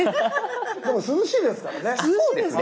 でも涼しいですからね。